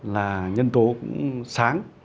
là nhân tố sáng